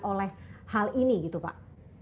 oleh hal ini gitu pak